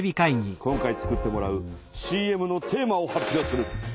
今回作ってもらうＣＭのテーマを発表する。